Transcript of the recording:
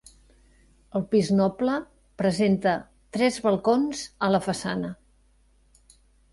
El pis noble presenta tres balcons a la façana.